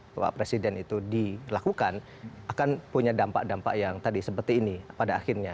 bahwa presiden itu dilakukan akan punya dampak dampak yang tadi seperti ini pada akhirnya